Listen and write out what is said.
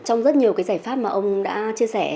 trong rất nhiều cái giải pháp mà ông đã chia sẻ